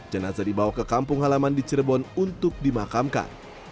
jenazah dibawa ke kampung halaman di cirebon untuk dimakamkan